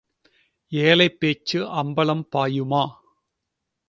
ஏழை பேச்சு அம்பலம் பாயுமா?